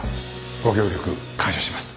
ご協力感謝します。